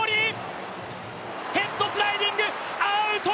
ヘッドスライディング、アウト！